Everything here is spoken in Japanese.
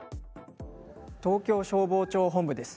東京消防庁本部です。